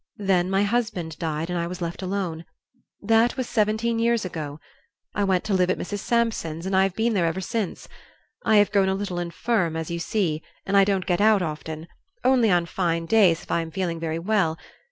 Then my husband died and I was left alone. That was seventeen years ago. I went to live at Mrs. Sampson's, and I have been there ever since. I have grown a little infirm, as you see, and I don't get out often; only on fine days, if I am feeling very well.